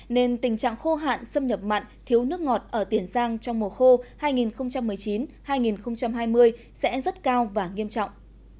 nên tình trạng khô hạn xâm nhập mặn thiếu nước ngọt ở tiền giang trong mùa khô hai nghìn một mươi chín hai nghìn hai mươi sẽ rất cao và nghiêm trọng